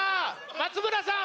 松村さん。